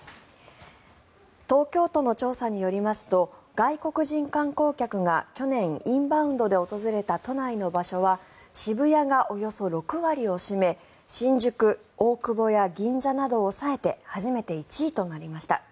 東京都の調査によりますと外国人観光客が去年、インバウンドで訪れた都内の場所は渋谷がおよそ６割を占め新宿・大久保や銀座などを抑えて初めて１位となりました。